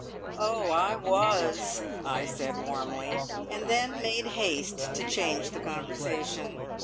"Oh, I was!" I said warmly, and then made haste to change the conversation.